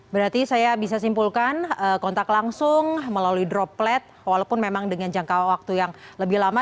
berarti saya bisa simpulkan kontak langsung melalui droplet walaupun memang dengan jangka waktu yang lebih lama